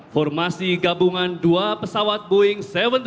formasi gabungan dua pesawat boeing tujuh ratus tiga puluh